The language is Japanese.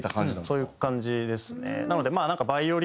そういう感じですね。